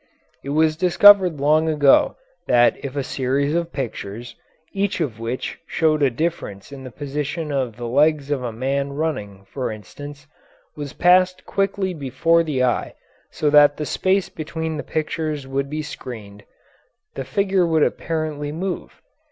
It was discovered long ago that if a series of pictures, each of which showed a difference in the position of the legs of a man running, for instance, was passed quickly before the eye so that the space between the pictures would be screened, the figure would apparently move.